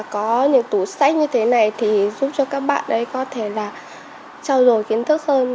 có những tủ sách như thế này thì giúp cho các bạn ấy có thể là trao dồi kiến thức hơn